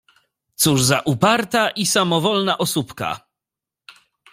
Cóż za uparta i samowolna osóbka!